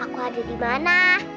aku ada dimana